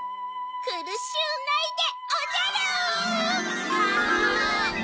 くるしゅうないでおじゃる！